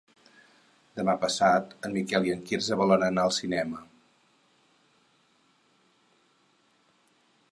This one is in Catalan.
Demà passat en Miquel i en Quirze volen anar al cinema.